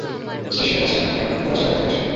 স্টেশনের কাছের একটা লজে রাখা হয়েছে।